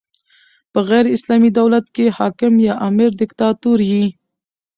په غیري اسلامي دولت کښي حاکم یا امر ډیکتاتور يي.